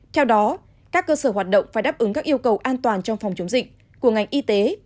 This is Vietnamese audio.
theo đó các cơ sở hoạt động phải đáp ứng các yêu cầu an toàn trong phòng chống dịch của ngành y tế